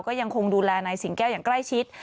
ก็ยังคงดูแลนายสิงแก้วอย่างใกล้ชิด